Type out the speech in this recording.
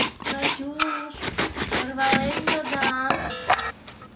— Катюш, сӧрвален йодам...